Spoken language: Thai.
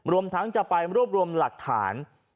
รวมทั้งจะไปรวบรวมหลักฐาน